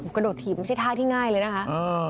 กระโดดถีบไม่ใช่ท่าที่ง่ายเลยนะคะ